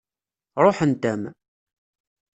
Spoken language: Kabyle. Ṛuḥent-am.